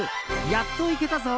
やっと行けたぞ！